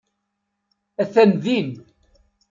Atan din.